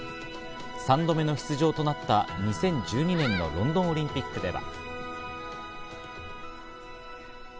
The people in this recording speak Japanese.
３度目の出場となった２０１２年のロンドンオリンピックでは。